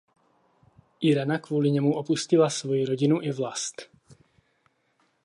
Irena kvůli němu opustila svoji rodinu i vlast.